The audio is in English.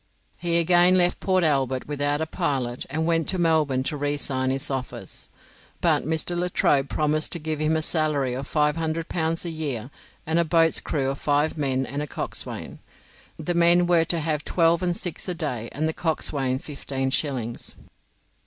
He again left Port Albert without a pilot and went to Melbourne to resign his office. But Mr. Latrobe promised to give him a salary of 500 pounds a year and a boat's crew of five men and a coxswain. The men were to have twelve and six a day and the coxswain fifteen shillings.